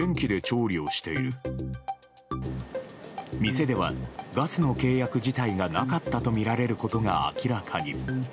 店ではガスの契約自体がなかったとみられることが明らかに。